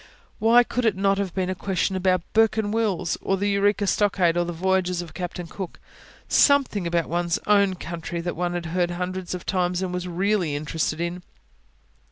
Why could it not have been a question about Bourke and Wills, or the Eureka Stockade, or the voyages of Captain Cook? ... something about one's own country, that one had heard hundreds of times and was really interested in.